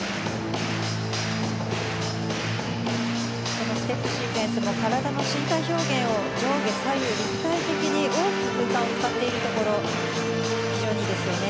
このステップシークエンスも体の身体表現を上下左右立体的に大きく空間を使っているところ非常にいいですよね。